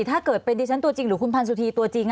ถ้าเกิดเป็นดิฉันตัวจริงหรือคุณพันธ์สุธีตัวจริง